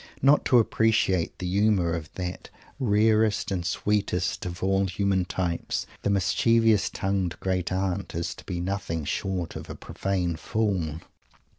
Not to appreciate the humour of that rarest and sweetest of all human types, the mischievous tongued Great Aunt, is to be nothing short of a profane fool.